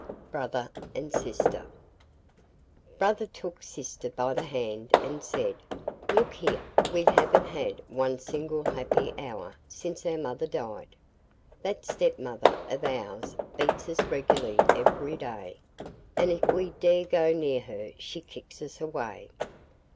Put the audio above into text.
BROTHER AND SISTER Brother took sister by the hand and said: 'Look here; we haven't had one single happy hour since our mother died. That stepmother of ours beats us regularly every day, and if we dare go near her she kicks us away.